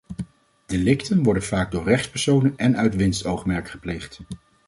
Delicten worden vaak door rechtspersonen en uit winstoogmerk gepleegd.